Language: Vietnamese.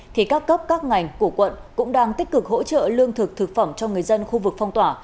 thì các cấp các ngành của quận cũng đang tích cực hỗ trợ lương thực thực phẩm cho người dân khu vực phong tỏa